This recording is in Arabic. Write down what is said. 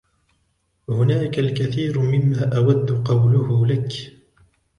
هناك الكثير مما أود قوله لك.